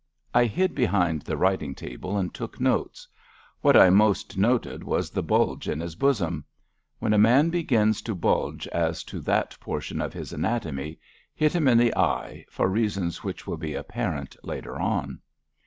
I hid behind the writing table and took notes. What I most noted was the bulge in his bosom. When a man begins to 274 «' THE BETEATAL OF CONFIDENCES 'V 275 bulge as to that portion of his anatomy, hit him in the eye, for reasons which will be apparent later on.